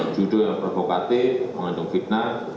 judul yang provokatif mengandung fitnah